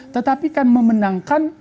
tetapi kan memenangkan